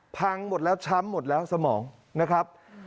หมดแล้วช้ำหมดแล้วสมองนะครับ